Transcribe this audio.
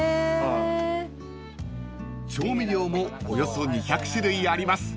［調味料もおよそ２００種類あります］